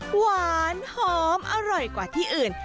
หวานหอมอร่อยกว่าที่อื่น